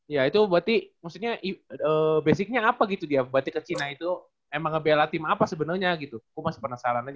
ya itu berarti maksudnya basicnya apa gitu dia batik ke cina itu emang ngebela tim apa sebenarnya gitu aku masih penasaran aja